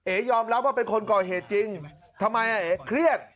ยอมรับว่าเป็นคนก่อเหตุจริงทำไมเอ๋เครียด